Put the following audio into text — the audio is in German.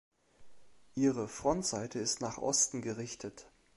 Ihre Frontseite ist nach Osten gerichtet.